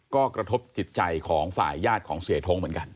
ก็กระทบจิตใจของฝ่ายญาติของเสียท้งเหมือนกัน